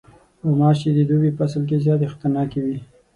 غوماشې د دوبی فصل کې زیاته خطرناکې وي.